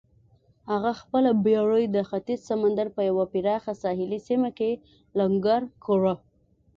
هغه خپله بېړۍ د ختیځ سمندر په یوه پراخه ساحلي سیمه کې لنګر کړه.